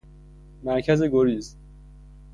مرکز گریز